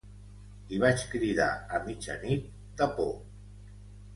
I vaig cridar a mitjanit, de por.